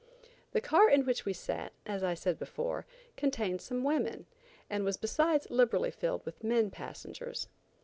The car in which we sat, as I said before, contained some women, and was besides liberally filled with men passengers.